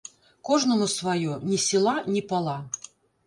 Кожнаму сваё, ні села, ні пала.